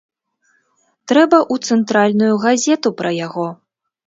Трэба ў цэнтральную газету пра яго.